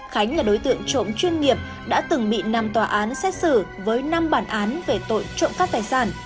khánh là đối tượng trộm chuyên nghiệp đã từng bị năm tòa án xét xử với năm bản án về tội trộm cắt tài sản